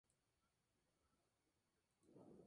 Es una letra sin dobles lecturas.